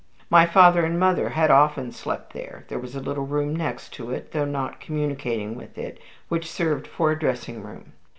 My father and mother had often slept there: there was a little room next to it, though not communicating with it, which served for a dressing room.